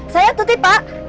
saya tuti pak